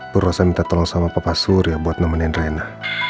gue rasa minta tolong sama papa surya buat nemenin rena